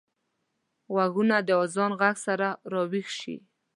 غوږونه د اذان غږ سره راويښ شي